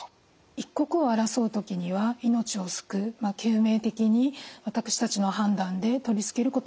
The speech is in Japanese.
一刻を争う時には命を救う救命的に私たちの判断で取り付けることもあります。